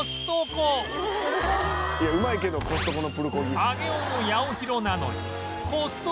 いやうまいけどコストコのプルコギ。